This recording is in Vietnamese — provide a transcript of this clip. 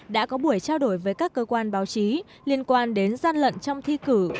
đã có buổi trao đổi với các cơ quan báo chí liên quan đến gian lận trong thi cử